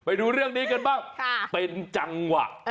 ไปดูเรื่องนี้กันบ้างเป็นจังหวะ